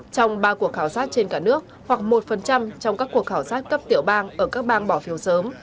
trong ba cuộc khảo sát trên cả nước hoặc một trong các cuộc khảo sát cấp tiểu bang ở các bang bỏ phiếu sớm